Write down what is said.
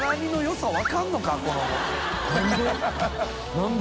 何で？